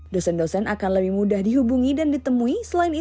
dosen dosen akan lebih mudah dihubungi dan ditemui